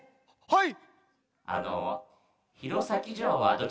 はい。